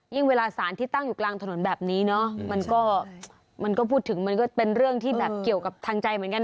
เวลาสารที่ตั้งอยู่กลางถนนแบบนี้เนอะมันก็มันก็พูดถึงมันก็เป็นเรื่องที่แบบเกี่ยวกับทางใจเหมือนกัน